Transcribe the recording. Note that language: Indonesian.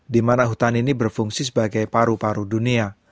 dimana hutan ini berfungsi sebagai paru paru dunia